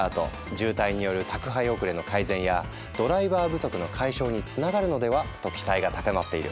渋滞による宅配遅れの改善やドライバー不足の解消につながるのではと期待が高まっている。